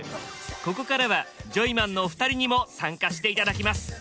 ここからはジョイマンのお二人にも参加して頂きます。